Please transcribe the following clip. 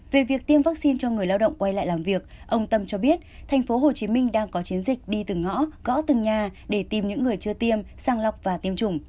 về việc tiêm vaccine cho người lao động quay lại làm việc ông tâm cho biết tp hcm đang có chiến dịch đi từ ngõ gõ từng nhà để tìm những người chưa tiêm sang lọc và tiêm chủng